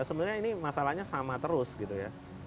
sebenarnya ini masalahnya sama terus gitu ya